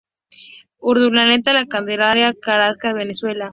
Urdaneta, La Candelaria, Caracas, Venezuela.